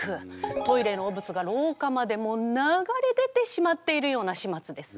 トイレの汚物が廊下まで流れ出てしまっているようなしまつです。